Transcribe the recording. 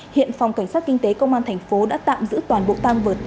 hiện phòng cảnh sát kinh tế công an thành phố đã tạm giữ toàn bộ tang vật